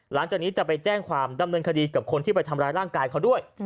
หลังจากนี้จะไปแจ้งความดำเนินคดีกับคนที่ไปทำร้ายร่างกายเขาด้วย